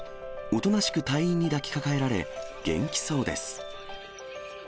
おとなしく隊員に抱きかかえられ、元気そうです。